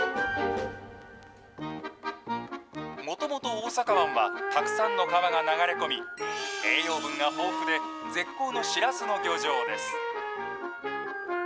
もともと大阪湾は、たくさんの川が流れ込み、栄養分が豊富で、絶好のシラスの漁場です。